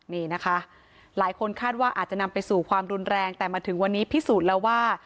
นี่นะคะหลายคนคาดว่าอาจจะนำไปสู่ความรุนแรงแต่มาถึงวันนี้พิสูจน์แล้วว่า